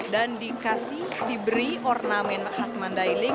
dan diberi ornamen khas mandailing